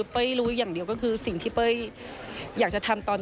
เป้อร์รู้อย่างเดียวก็คือสิ่งที่เป้อร์อยากจะทำตอนนี้